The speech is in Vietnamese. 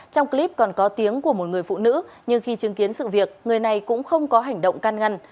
trong clip còn có tiếng của một người phụ nữ nhưng khi chứng kiến sự việc người này cũng không có hành động can ngăn